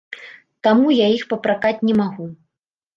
Таму я іх папракаць не магу.